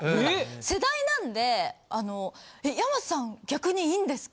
世代なんであの山さん逆にいいんですか？